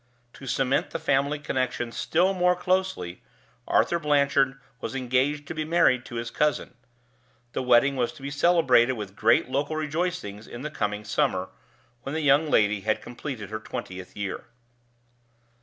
To cement the family connection still more closely, Arthur Blanchard was engaged to be married to his cousin. The wedding was to be celebrated with great local rejoicings in the coming summer, when the young lady had completed her twentieth year.